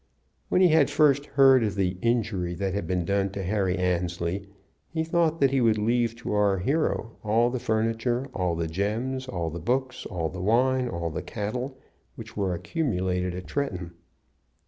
When he had first heard of the injury that had been done to Harry Annesley, he thought that he would leave to our hero all the furniture, all the gems, all the books, all the wine, all the cattle which were accumulated at Tretton.